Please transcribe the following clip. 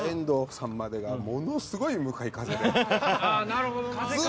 なるほどな。